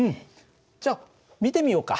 じゃ見てみようか。